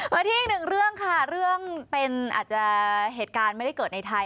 มาที่อีกหนึ่งเรื่องค่ะเรื่องเป็นอาจจะเหตุการณ์ไม่ได้เกิดในไทย